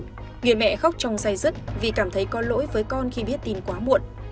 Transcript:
người mẹ khóc trong say rứt vì cảm thấy có lỗi với con khi biết tin quá muộn